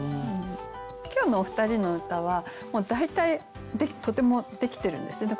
今日のお二人の歌はもう大体とてもできてるんですよね。